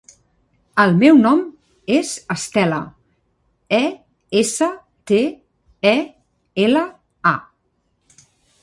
El meu nom és Estela: e, essa, te, e, ela, a.